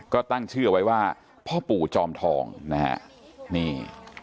ก็ตั้งชื่อไว้ว่าพ่อปู่จอมทองนะฮะนี่